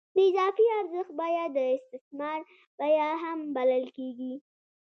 د اضافي ارزښت بیه د استثمار بیه هم بلل کېږي